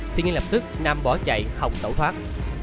tuy nhiên lập tức nam bỏ chạy không tẩu thoát